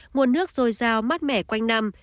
nguồn nước dồi dao mát mẻ quanh năm